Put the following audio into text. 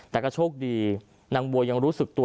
แต่ก็โชคดีนางบัวยังรู้สึกตัว